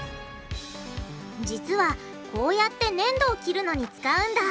実はこうやってねんどを切るのに使うんだ！